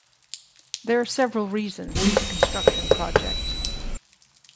There are several reasons for the construction project.